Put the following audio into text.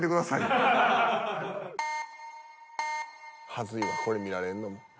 恥ずいわこれ見られるのも。